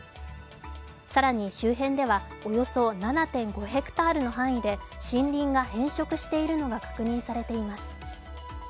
更に周辺ではおよそ７．５ｈａの範囲で森林が変色しているのが確認されています。